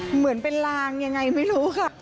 เหมือนเป็นลางยังไงไม่รู้ค่ะ